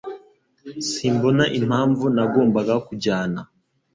Simbona impamvu nagombaga kujyana